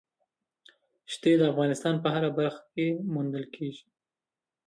ښتې د افغانستان په هره برخه کې موندل کېږي.